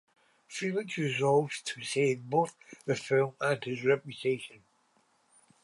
Felix resolves to save both the film and his reputation.